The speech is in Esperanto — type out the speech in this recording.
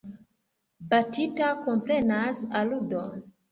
Batita komprenas aludon.